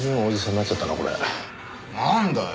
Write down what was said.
なんだよ。